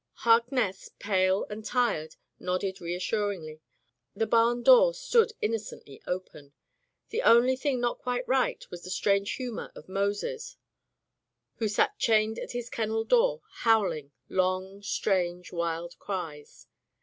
Harkness, pale' and tired, nodded re assuringly. The barn door stood innocently open. The only thing not quite right was the strange humor of Moses, who sat chained [ 335 ] Digitized by LjOOQ IC Interventions at his kennel door, howling — ^long, strange, wild cries.